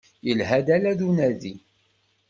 Yelha-d ala d unadi.